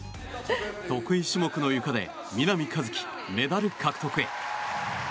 得意種目のゆかで南一輝メダル獲得へ。